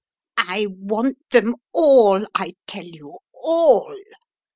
"I want them all, I tell you — all!